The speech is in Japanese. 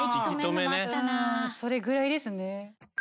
うんそれぐらいですね。